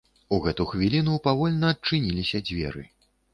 У гэту хвіліну павольна адчыніліся дзверы.